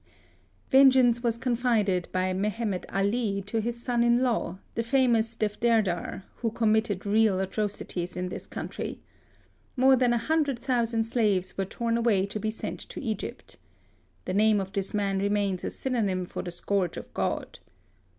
Vengeance was confided by Mehemet Ali to his son in law, the famous Defderdar, who committed real atrocities in this country. More than a hundred thousand slaves were torn away to be sent to Egypt. The name of this man remains a synonym for the Scourge of God.